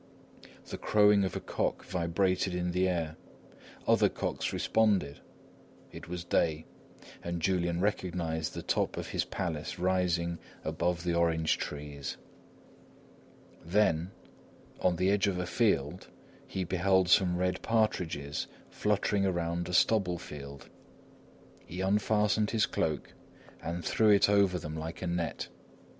The crowing of a cock vibrated in the air. Other cocks responded; it was day; and Julian recognised the top of his palace rising above the orange trees. Then, on the edge of a field, he beheld some red partridges fluttering around a stubble field. He unfastened his cloak and threw it over them like a net.